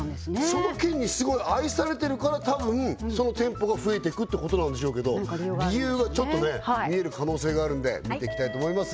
その県にすごい愛されてるからたぶんその店舗が増えていくってことなんでしょうけど理由がちょっとね見える可能性があるんで見ていきたいと思います